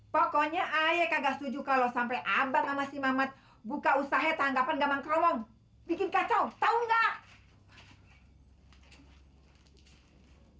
pokoknya ayah kagak setuju kalau sampai abang sama si mamat buka usaha tanggapan gambang keromong